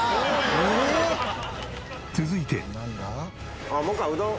続いて。